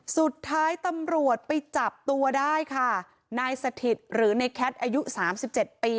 สุดท้ายตำรวจไปจับตัวได้ค่ะนายสถิตรือในแคล็ดอายุ๓๗ปี